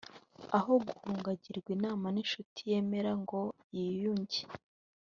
Aho guhunga agirwa inama n’inshuti yemera ngo yiyunge